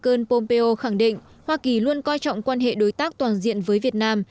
nguyễn pompeo khẳng định hoa kỳ luôn coi trọng quan hệ đối tác toàn diện với việt nam